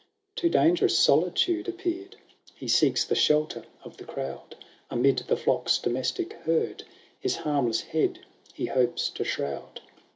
XXIII Too dangerous solitude appeared ; He seeks the shelter of the crowd ; Amid the flock's domestic herd His harmless head he hopes to shroud.